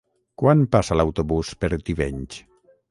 Quan passa l'autobús per Tivenys?